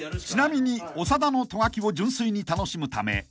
［ちなみに長田のト書きを純粋に楽しむため］